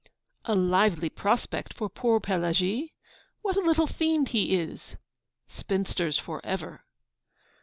'A lively prospect for poor Pelagie.' 'What a little fiend he is!' 'Spinsters for ever!'